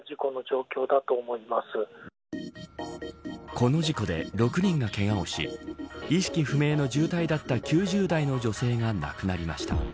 この事故で６人がけがをし意識不明の重体だった９０代の女性が亡くなりました。